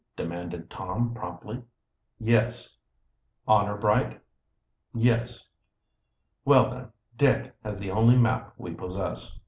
demanded Tom promptly. "Yes." "Honor bright?" "Yes." "Well, then, Dick has the only map we possess."